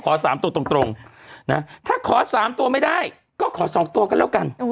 ๓ตัวตรงนะถ้าขอ๓ตัวไม่ได้ก็ขอ๒ตัวกันแล้วกัน